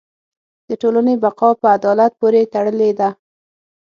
د ټولنې بقاء په عدالت پورې تړلې ده.